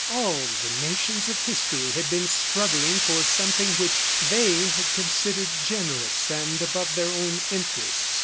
All the nations of history had been struggling for something which they had considered generous and above their own interests.